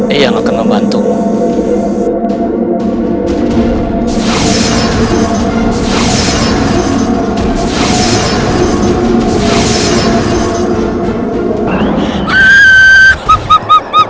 ia akan membantumu